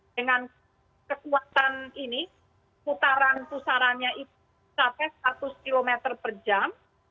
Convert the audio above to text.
dengan kekuatan ini putaran pusarannya itu sampai seratus km per jam